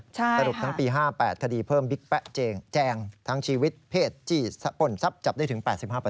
สรุปทั้งปี๕๘คดีเพิ่มบิ๊กแป๊ะเจงแจงทั้งชีวิตเพศจี้ป่นทรัพย์จับได้ถึง๘๕